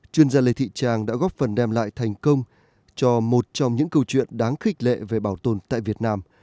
chuyên gia lê thị trang đã góp phần đem lại thành công cho một trong những câu chuyện đáng khích lệ về bảo tồn tại việt nam